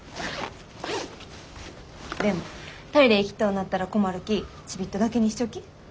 でもトイレ行きとうなったら困るきちびっとだけにしとき。